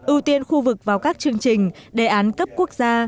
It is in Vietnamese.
ưu tiên khu vực vào các chương trình đề án cấp quốc gia